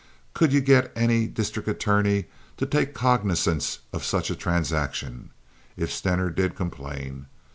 Could you get any district attorney to take cognizance of such a transaction, if Stener did complain?